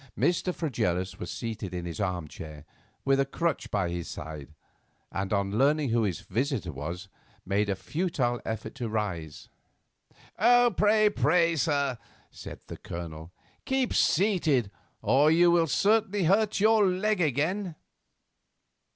Mr. Fregelius was seated in his arm chair, with a crutch by his side, and on learning who his visitor was, made a futile effort to rise. "Pray, pray, sir," said the Colonel, "keep seated, or you will certainly hurt your leg again."